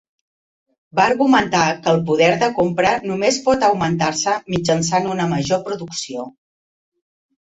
Va argumentar que el poder de compra només pot augmentar-se mitjançant una major producció.